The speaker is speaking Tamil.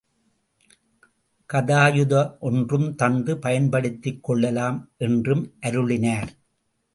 கதாயுத ஒன்றும் தந்து பயன்படுத்திக் கொள்ளலாம் என்றும் அருளினார்.